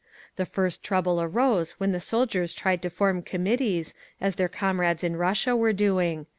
The first trouble arose when the soldiers tried to form Committees, as their comrades in Russia were doing.